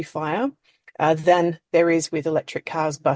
daripada yang ada dengan mobil elektrik bus atau truk